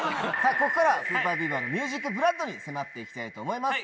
ここからはＳＵＰＥＲＢＥＡＶＥＲのＭＵＳＩＣＢＬＯＯＤに迫って行きたいと思います。